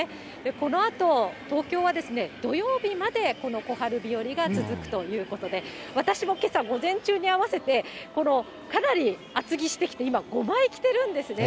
このあと、東京は土曜日まで、この小春日和が続くということで、私もけさ、午前中に合わせて、このかなり厚着してきて、今、５枚着てるんですね。